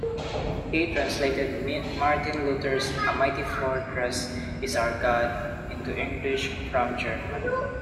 He translated Martin Luther's A Mighty Fortress is Our God into English from German.